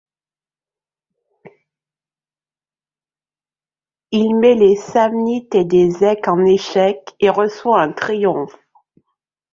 Il met les Samnites et des Eques en échec et reçoit un triomphe.